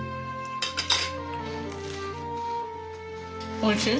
おいしい？